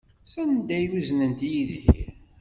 Sanda ay uznent Yidir?